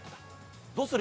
どうする？